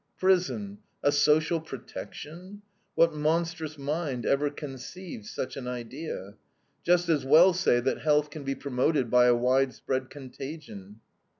Prison, a social protection? What monstrous mind ever conceived such an idea? Just as well say that health can be promoted by a widespread contagion.